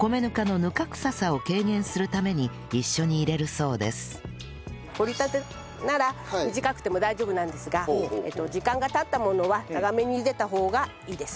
そして掘りたてなら短くても大丈夫なんですが時間が経ったものは長めにゆでた方がいいです。